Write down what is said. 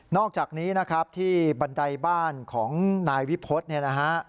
อกจากนี้นะครับที่บันไดบ้านของนายวิพฤษเนี่ยนะฮะ